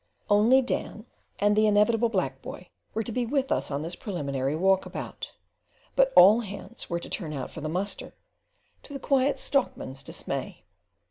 Only Dan and the inevitable black "boy" were to be with us on this preliminary walk about; but all hands were to turn out for the muster, to the Quiet Stockman's dismay.